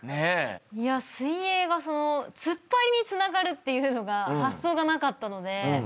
いや水泳が突っ張りにつながるっていうのが発想がなかったので。